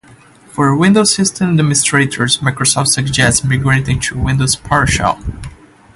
For Windows system administrators, Microsoft suggests migrating to Windows PowerShell.